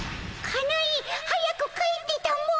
かなえ早く帰ってたも！